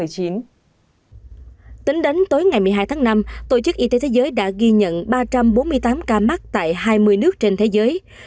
tính đến tối ngày một mươi hai tháng năm tổ chức y tế thế giới đã ghi nhận ba trăm bốn mươi tám ca mắc tại hai mươi nước trên thế giới